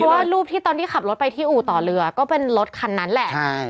ไม่เพราะรูปตอนเขาขับรถไปที่อู่ต่อเรือก็เป็นรถคันนั้นแหละ